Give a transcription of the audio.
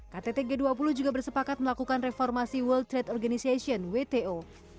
ktt g dua puluh juga bersepakat melakukan reformasi world trade organization wto